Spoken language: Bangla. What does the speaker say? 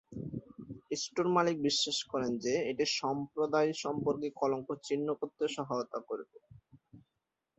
স্টোর মালিক বিশ্বাস করেন যে এটি সম্প্রদায় সম্পর্কে কলঙ্ক ছিন্ন করতে সহায়তা করে।